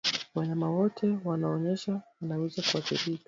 Wanyama wote wanaonyonyesha wanaweza kuathirika